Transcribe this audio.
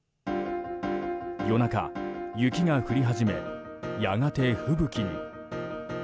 夜中、雪が降り始めやがて吹雪に。